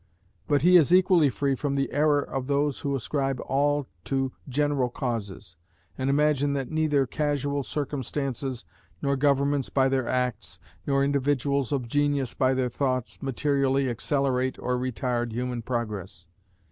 But he is equally free from the error of those who ascribe all to general causes, and imagine that neither casual circumstances, nor governments by their acts, nor individuals of genius by their thoughts, materially accelerate or retard human progress.